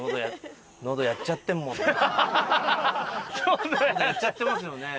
のどやっちゃってますよね。